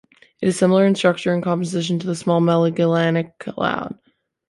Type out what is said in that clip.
It is similar in structure and composition to the Small Magellanic Cloud.